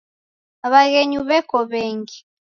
W'aghenyu w'eko w'engi.